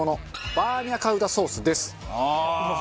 バーニャカウダソース。